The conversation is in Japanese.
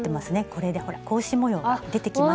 これでほら格子模様が出てきましたよ。